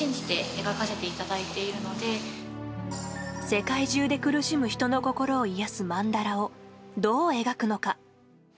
世界中で苦しむ人の心を癒やすマンダラをどう描くのか。